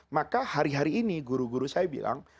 maka hari hari ini guru guru saya bilang